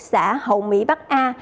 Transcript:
xã hậu mỹ bắc a